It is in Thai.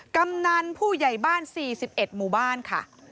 กำนันผู้ใหญ่บ้าน๔๑หมู่บ้านค่ะ